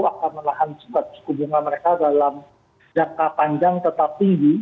akan menahan suku bunga mereka dalam jangka panjang tetap tinggi